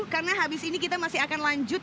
karena habis ini kita masih akan lanjut